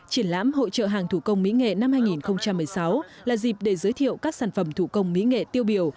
triển lãm hội trợ hàng thủ công mỹ nghệ năm hai nghìn một mươi sáu là dịp để giới thiệu các sản phẩm thủ công mỹ nghệ tiêu biểu